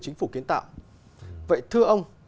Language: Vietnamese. chính phủ kiến tạo vậy thưa ông